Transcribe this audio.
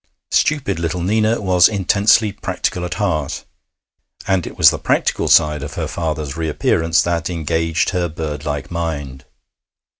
Stupid little Nina was intensely practical at heart, and it was the practical side of her father's reappearance that engaged her birdlike mind.